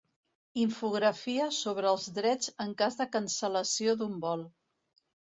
Infografia sobre els drets en cas de cancel·lació d'un vol.